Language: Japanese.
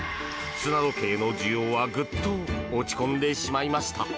砂時計の需要はグッと落ち込んでしまいました。